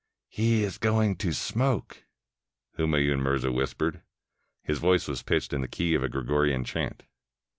"He is going to smoke," Humayun Mirza whispered. His voice was pitched in the key of a Gregorian chant.